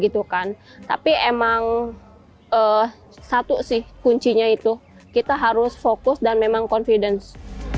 tapi emang satu sih kuncinya itu kita harus fokus dan memang confidence